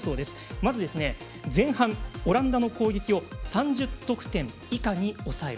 まず前半、オランダの攻撃を３０得点以下に抑える。